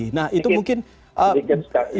sedikit sedikit sekali